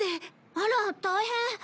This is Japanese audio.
あら大変。